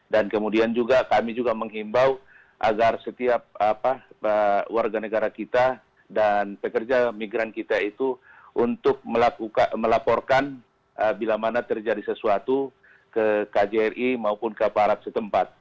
dan kemudian kami juga menghimbau agar setiap warga negara kita dan pekerja migran kita itu untuk melaporkan bila mana terjadi sesuatu ke kjri maupun ke parat setempat